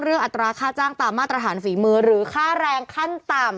อัตราค่าจ้างตามมาตรฐานฝีมือหรือค่าแรงขั้นต่ำ